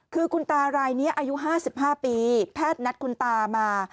คือคุณตารายนี้อายุ๕๕ปีแพทย์นัดคุณตามา